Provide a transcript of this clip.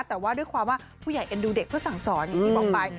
แต่ว่าด้วยความว่าผู้ใหญ่เอ็นดูเด็กเพื่อสั่งสอนอย่างที่บอกไป